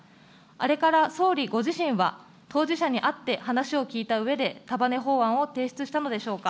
あれから総理ご自身は、当事者に会って話を聞いたうえで、束ね法案を提出したのでしょうか。